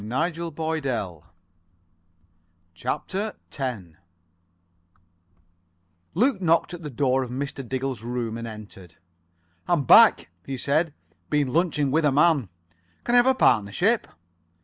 [Pg 70 71] CHAPTER X Luke knocked at the door of Mr. Diggle's room, and entered. "I'm back," he said. "Been lunching with a man. Can I have a partnership?"